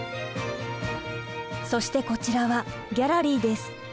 そしてこちらはギャラリーです。